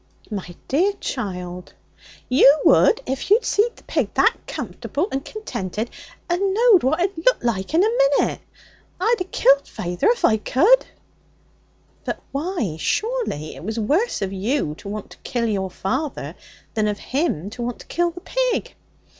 'My dear child!' 'You would if you'd seed the pig that comforble and contented, and know'd what it'd look like in a minute. I'd a killed feyther if I could.' 'But why? Surely it was worse of you to want to kill your father than of him to want to kill the pig?'